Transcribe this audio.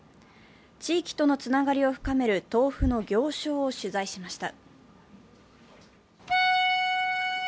地域とのつながりを深める豆腐の行商を取材しました。